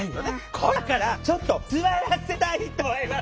今からちょっと座らせたいと思います。